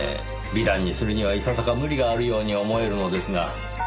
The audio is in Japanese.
美談にするにはいささか無理があるように思えるのですが。